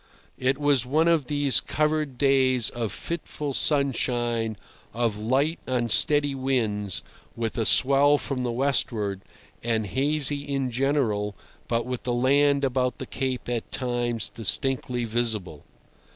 It was one of these covered days of fitful sunshine, of light, unsteady winds, with a swell from the westward, and hazy in general, but with the land about the Cape at times distinctly visible.